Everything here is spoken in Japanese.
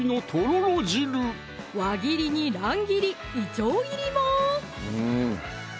輪切りに乱切り・いちょう切りも！